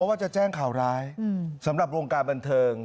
ว่าจะแจ้งข่าวร้ายสำหรับวงการบันเทิง